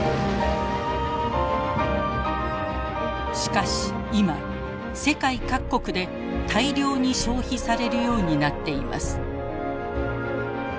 しかし今世界各国で大量に消費されるようになっています。